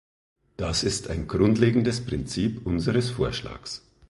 Das ist ein grundlegendes Prinzip unseres Vorschlags.